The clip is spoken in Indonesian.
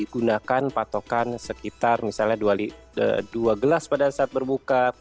gunakan patokan sekitar misalnya dua gelas pada saat berbuka